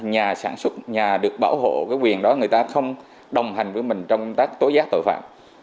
nhà sản xuất nhà được bảo hộ cái quyền đó người ta không đồng hành với mình trong công tác tối giác tội phạm